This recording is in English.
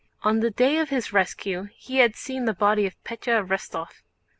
On the day of his rescue he had seen the body of Pétya Rostóv.